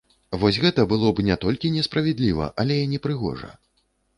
Вось гэта было б не толькі несправядліва, але і непрыгожа.